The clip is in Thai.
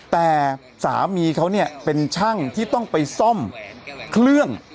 แต่สามีเขาเนี่ยเป็นช่างที่ต้องไปซ่อมเครื่อง